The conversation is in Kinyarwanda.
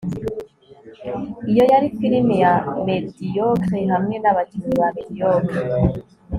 Iyo yari firime ya mediocre hamwe nabakinnyi ba mediocre